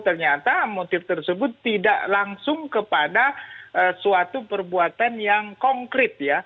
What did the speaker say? ternyata motif tersebut tidak langsung kepada suatu perbuatan yang konkret ya